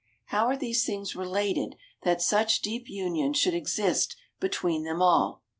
How are these things related that such deep union should exist between them all?